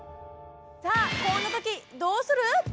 さあこんな時どうする？